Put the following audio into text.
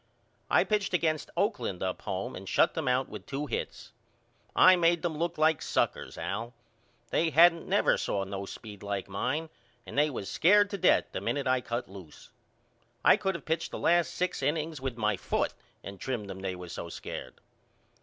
I pitched against Oakland up home and shut them out with two hits. I made them look like suckers Al. They hadn't never saw no speed like mine and they was scared to death the minute I cut loose. I could of pitched the last six innings with my foot and trimmed them they was so scared.